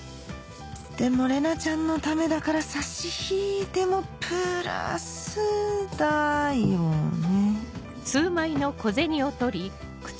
でも玲奈ちゃんのためだから差し引いてもプラスだよね？